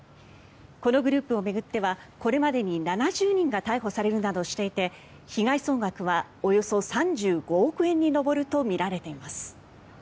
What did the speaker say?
このグループを巡ってはこれまでに７０人が逮捕されるなどしていて被害総額はおよそ３５億円に上るとみられています。